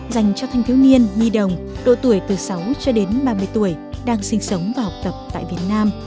dành cho thanh thiếu niên nhi đồng độ tuổi từ sáu cho đến ba mươi tuổi đang sinh sống và học tập tại việt nam